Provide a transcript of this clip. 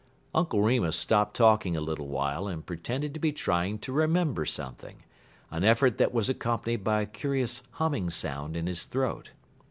Uncle Remus stopped talking a little while and pretended to be trying to remember something, an effort that was accompanied by a curious humming sound in his throat.